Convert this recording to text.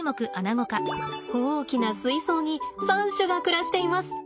大きな水槽に３種が暮らしています。